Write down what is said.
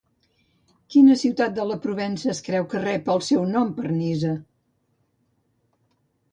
Quina ciutat de la Provença es creu que rep el seu nom per Nisa?